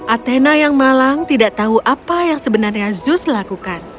atena yang malang tidak tahu apa yang sebenarnya zuz lakukan